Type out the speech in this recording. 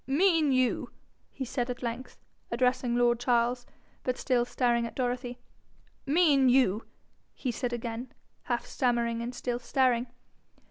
'Mean you ?' he said at length, addressing lord Charles, but still staring at Dorothy; 'Mean you ?' he said again, half stammering, and still staring.